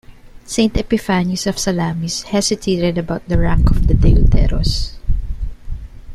Saint Epiphanius of Salamis hesitated about the rank of the deuteros.